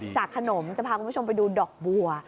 ขนมจะพาคุณผู้ชมไปดูดอกบัว